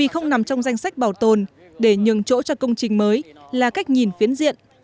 không nằm trong danh sách bảo tồn để nhường chỗ cho công trình mới là cách nhìn phiến diện